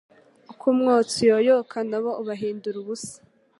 Uko umwotsi uyoyoka na bo ubahindure ubusa